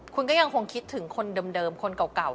คุณก็ยังคงคิดถึงคนเดิมคนเก่า